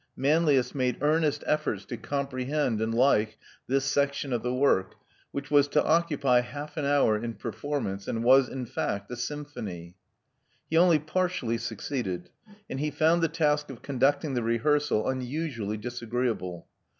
Manlius made earnest efforts to comprehend and like this section of the work, which was to occupy half an hour in performance, and was, in fact, a symphony. He only partially succeeded; and he found the task of conducting the rehearsal unusually disagreeable.